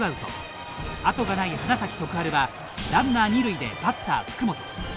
後がない花咲徳栄はランナー二塁でバッター福本。